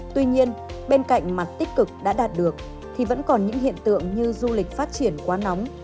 tuy nhiên bên cạnh mặt tích cực đã đạt được thì vẫn còn những hiện tượng như du lịch phát triển quá nóng